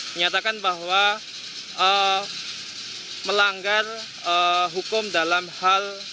menyatakan bahwa melanggar hukum dalam hal